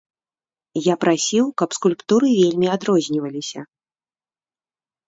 Я прасіў, каб скульптуры вельмі адрозніваліся.